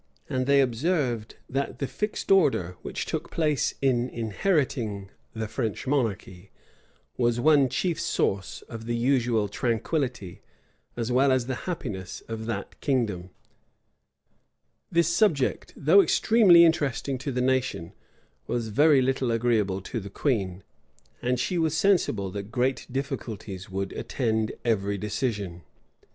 And they observed, that the fixed order which took place in inheriting the French monarchy, was one chief source of the usual tranquillity, as well as of the happiness, of that kingdom.[*] * Sir Simon d'Ewes's Journ. p. 81. This subject, though extremely interesting to the nation, was very little agreeable to the queen; and she was sensible that great difficulties would attend every decision.